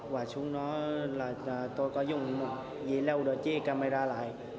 và xuống đó là tôi có dùng dây leo để chia camera